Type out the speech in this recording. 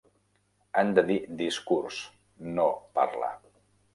Han de dir "discurs", no "parla".